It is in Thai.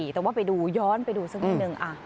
แต่ว่าไปดูย้อนไปดูสักนิดนึง